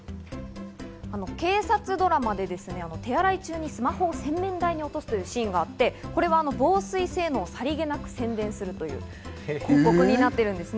警察ドラマで手洗い中にスマホを洗面台に落とすシーンがあって、これは防水性能をさりげなく宣伝するという広告です。